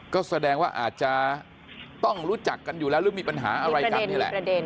ก็แสดงว่าอาจจะต้องรู้จักกันอยู่แล้วหรือมีปัญหาอะไรกันนี่แหละ